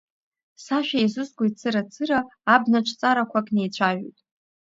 Сашәа еизызгоит цыра-цыра, абнаҿ ҵарақәак неицәажәоит.